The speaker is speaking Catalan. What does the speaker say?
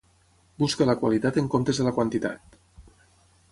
Busca la qualitat en comptes de la quantitat.